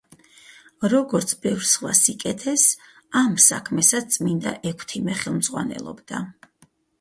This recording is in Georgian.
როგორც ბევრ სხვა სიკეთეს, ამ საქმესაც წმინდა ექვთიმე ხელმძღვანელობდა.